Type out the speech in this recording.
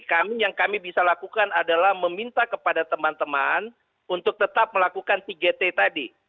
kami yang kami bisa lakukan adalah meminta kepada teman teman untuk tetap melakukan tiga t tadi